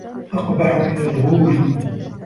أقبح من الغول